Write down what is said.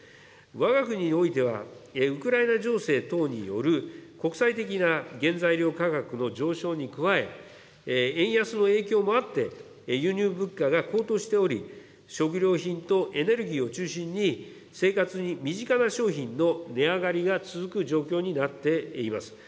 わが国においては、ウクライナ情勢等による国際的な原材料価格の上昇に加え、円安の影響もあって、輸入物価が高騰しており、食料品とエネルギーを中心に、生活に身近な商品の値上がりが続く状況になっています。